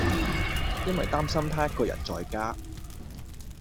因為擔心她一個人在家